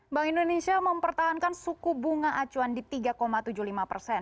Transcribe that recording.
bank indonesia mempertahankan suku bunga acuan di tiga tujuh puluh lima persen